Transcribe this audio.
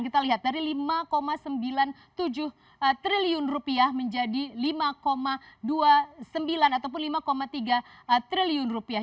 kita lihat dari lima sembilan puluh tujuh triliun rupiah menjadi lima dua puluh sembilan ataupun lima tiga triliun rupiah